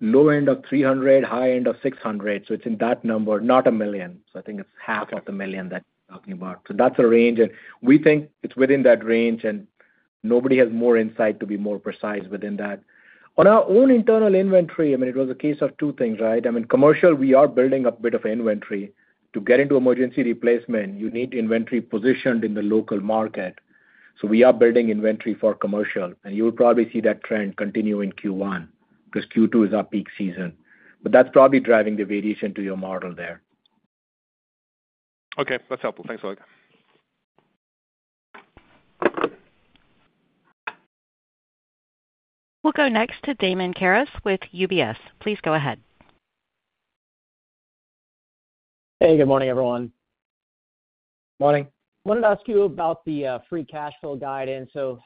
a low end of 300-600. It's in that number, not a million. I think it's half of the million that we're talking about, so 500,000. That's a range. We think it's within that range, and nobody has more insight to be more precise within that. On our own internal inventory, I mean, it was a case of two things, right? I mean, for commercial, we are building a bit of inventory. To get into emergency replacement, you need inventory positioned in the local market. We are building inventory for commercial. You will probably see that trend continue in Q1 because Q2 is our peak season. But that's probably driving the variation to your model there. Okay. That's helpful. Thanks, Alok. We'll go next to Damian Karas with UBS. Please go ahead. Hey. Good morning, everyone. Morning. I wanted to ask you about the free cash flow guidance. So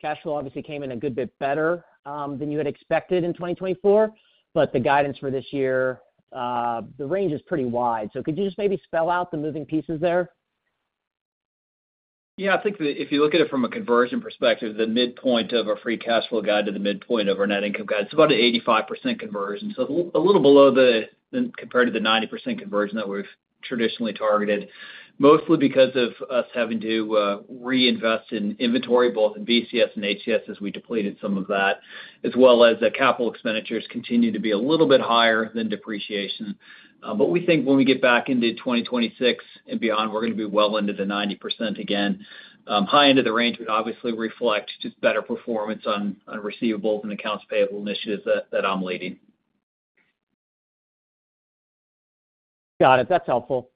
cash flow obviously came in a good bit better than you had expected in 2024, but the guidance for this year, the range is pretty wide. So could you just maybe spell out the moving pieces there? Yeah. I think if you look at it from a conversion perspective, the midpoint of a free cash flow guide to the midpoint of a net income guide, it's about an 85% conversion. So a little below compared to the 90% conversion that we've traditionally targeted, mostly because of us having to reinvest in inventory, both in BCS and HCS as we depleted some of that, as well as capital expenditures continue to be a little bit higher than depreciation. But we think when we get back into 2026 and beyond, we're going to be well into the 90% again. High end of the range would obviously reflect just better performance on receivables and accounts payable initiatives that I'm leading. Got it. That's helpful.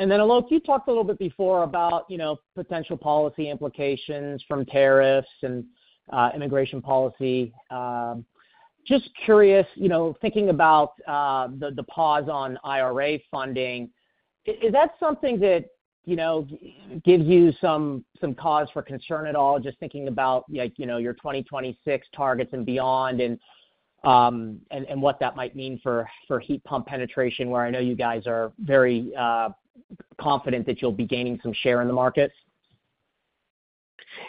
And then, Alok, you talked a little bit before about potential policy implications from tariffs and immigration policy. Just curious, thinking about the pause on IRA funding, is that something that gives you some cause for concern at all, just thinking about your 2026 targets and beyond and what that might mean for heat pump penetration, where I know you guys are very confident that you'll be gaining some share in the markets?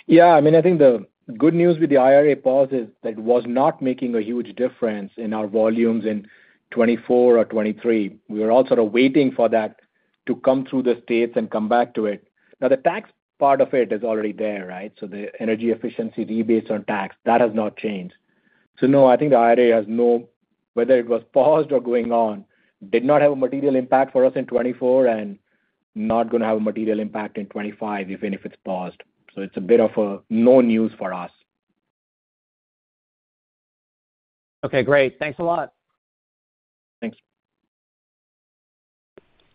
Yeah. I mean, I think the good news with the IRA pause is that it was not making a huge difference in our volumes in 2024 or 2023. We were all sort of waiting for that to come through the states and come back to it. Now, the tax part of it is already there, right? So the energy efficiency rebates on tax, that has not changed. So no, I think the IRA, whether it was paused or going on, did not have a material impact for us in 2024 and not going to have a material impact in 2025, even if it's paused. So it's a bit of a no news for us. Okay. Great. Thanks a lot. Thanks.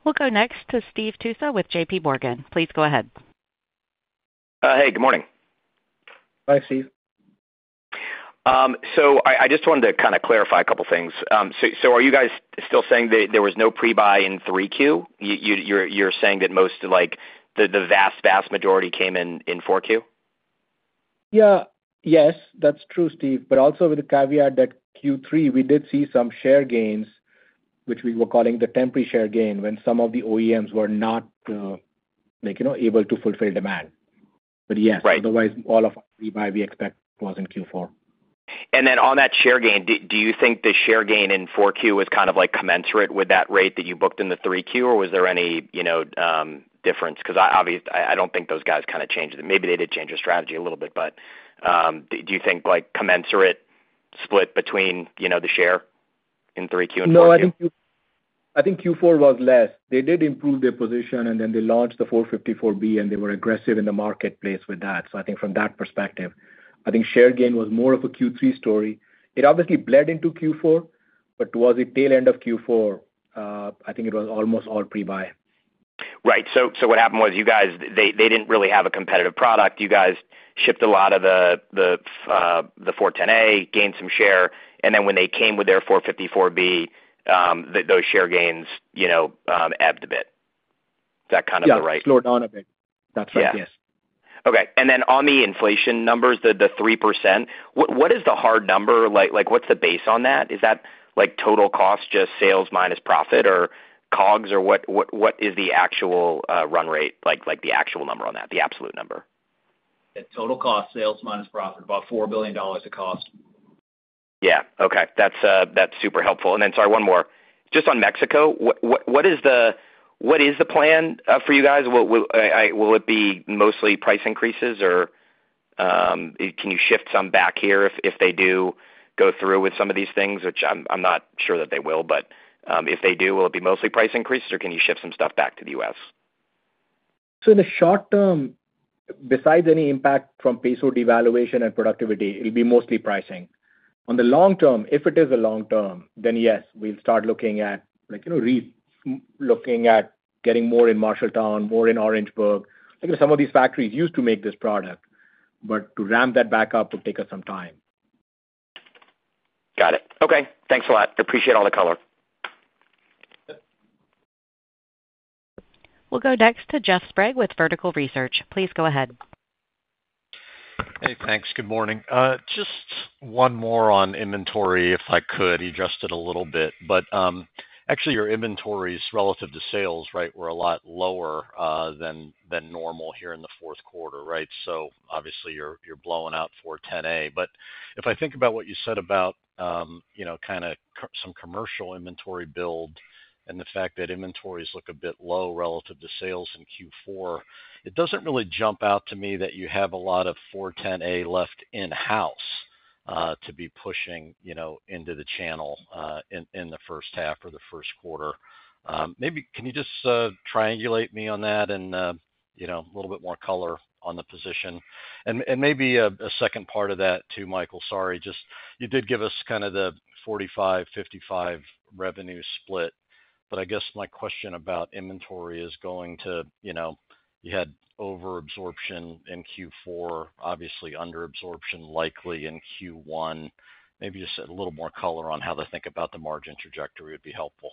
We'll go next to Steve Tusa with JPMorgan. Please go ahead. Hey. Good morning. Hi, Steve. So I just wanted to kind of clarify a couple of things. So are you guys still saying that there was no pre-buy in 3Q? You're saying that most of the vast, vast majority came in 4Q? Yeah. Yes. That's true, Steve. But also with the caveat that Q3, we did see some share gains, which we were calling the temporary share gain, when some of the OEMs were not able to fulfill demand. But yes, otherwise, all of our pre-buy we expect was in Q4. Then on that share gain, do you think the share gain in 4Q was kind of commensurate with that rate that you booked in the 3Q, or was there any difference? Because obviously, I don't think those guys kind of changed it. Maybe they did change their strategy a little bit, but do you think commensurate split between the share in 3Q and 4Q? No. I think Q4 was less. They did improve their position, and then they launched the 454B, and they were aggressive in the marketplace with that. So I think from that perspective, I think share gain was more of a Q3 story. It obviously bled into Q4, but towards the tail end of Q4, I think it was almost all pre-buy. Right. So what happened was you guys, they didn't really have a competitive product. You guys shipped a lot of the R-410A, gained some share, and then when they came with their R-454B, those share gains ebbed a bit. Is that kind of the right? Yeah. Slowed down a bit. That's right. Yes. Okay. And then on the inflation numbers, the 3%, what is the hard number? What's the base on that? Is that total cost, just sales minus profit, or COGS, or what is the actual run rate, the actual number on that, the absolute number? The total cost, sales minus profit, about $4 billion of cost. Yeah. Okay. That's super helpful. And then sorry, one more. Just on Mexico, what is the plan for you guys? Will it be mostly price increases, or can you shift some back here if they do go through with some of these things, which I'm not sure that they will? But if they do, will it be mostly price increases, or can you shift some stuff back to the U.S.? In the short term, besides any impact from peso devaluation and productivity, it'll be mostly pricing. On the long term, if it is the long term, then yes, we'll start looking at re-looking at getting more in Marshalltown, more in Orangeburg. Some of these factories used to make this product, but to ramp that back up would take us some time. Got it. Okay. Thanks a lot. Appreciate all the color. We'll go next to Jeff Sprague with Vertical Research. Please go ahead. Hey. Thanks. Good morning. Just one more on inventory, if I could. You just did a little bit. But actually, your inventories relative to sales, right, were a lot lower than normal here in the fourth quarter, right? So obviously, you're blowing out R-410A. But if I think about what you said about kind of some commercial inventory build and the fact that inventories look a bit low relative to sales in Q4, it doesn't really jump out to me that you have a lot of R-410A left in-house to be pushing into the channel in the first half or the first quarter. Maybe can you just triangulate me on that and a little bit more color on the position? And maybe a second part of that too, Michael, sorry. Just, you did give us kind of the 45-55 revenue split, but I guess my question about inventory is going to you had overabsorption in Q4, obviously underabsorption likely in Q1. Maybe just a little more color on how they think about the margin trajectory would be helpful.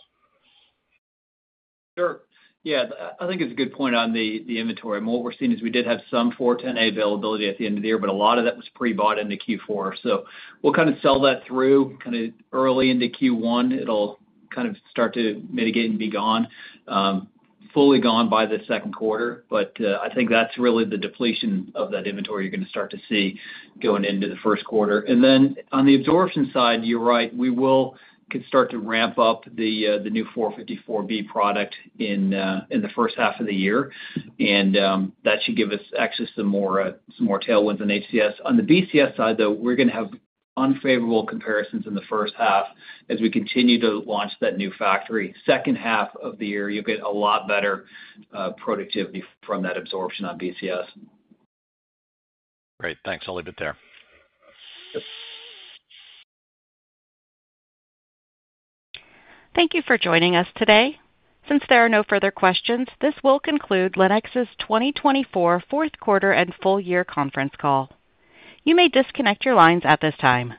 Sure. Yeah. I think it's a good point on the inventory. And what we're seeing is we did have some 410A availability at the end of the year, but a lot of that was pre-bought into Q4. So we'll kind of sell that through kind of early into Q1. It'll kind of start to mitigate and be gone, fully gone by the second quarter. But I think that's really the depletion of that inventory you're going to start to see going into the first quarter. And then on the absorption side, you're right, we will start to ramp up the new 454B product in the first half of the year. And that should give us access to more tailwinds in HCS. On the BCS side, though, we're going to have unfavorable comparisons in the first half as we continue to launch that new factory. Second half of the year, you'll get a lot better productivity from that absorption on BCS. Great. Thanks. I'll leave it there. Thank you for joining us today. Since there are no further questions, this will conclude Lennox's 2024 Fourth Quarter and Full Year Conference Call. You may disconnect your lines at this time.